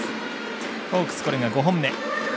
ホークス、これが５本目。